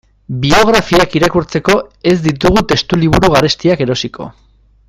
Biografiak irakurtzeko ez ditugu testuliburu garestiak erosiko.